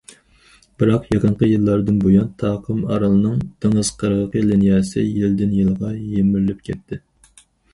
بىراق يېقىنقى يىللاردىن بۇيان، تاقىم ئارالنىڭ دېڭىز قىرغىقى لىنىيەسى يىلدىن- يىلغا يىمىرىلىپ كەتتى.